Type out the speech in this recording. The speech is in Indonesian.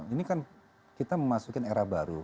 ini kan kita memasuki era baru